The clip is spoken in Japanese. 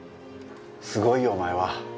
すごいよお前は。